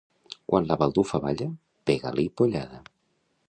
Quan la baldufa balla, pega-li pollada.